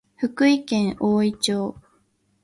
福井県おおい町